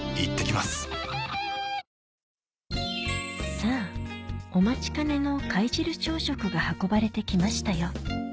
さぁお待ちかねの貝汁朝食が運ばれて来ましたよ